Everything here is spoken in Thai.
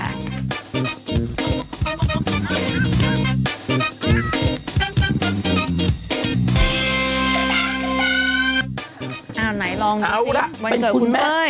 เอาไหนลองดูซิวันเกิดคุณเป้ยเอาละเป็นคุณแม่